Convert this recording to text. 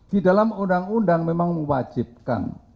di dalam undang undang memang mewajibkan